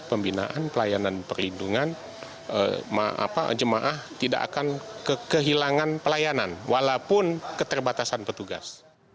pembinaan pelayanan perlindungan jemaah tidak akan kehilangan pelayanan walaupun keterbatasan petugas